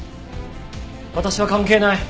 私は関係ない！